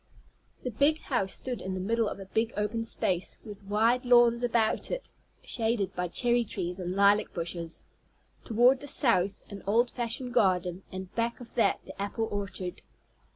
The big house stood in the middle of a big open space, with wide lawns about it shaded by cherry trees and lilac bushes, toward the south an old fashioned garden, and back of that the apple orchard.